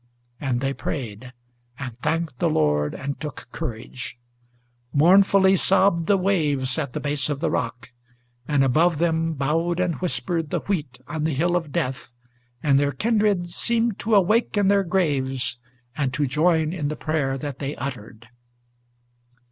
and they prayed, and thanked the Lord and took courage. Mournfully sobbed the waves at the base of the rock, and above them Bowed and whispered the wheat on the hill of death, and their kindred Seemed to awake in their graves, and to join in the prayer that they uttered.